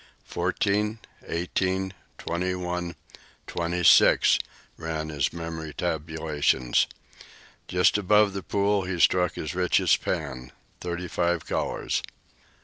"Fourteen, eighteen, twenty one, twenty six," ran his memory tabulations. Just above the pool he struck his richest pan thirty five colors.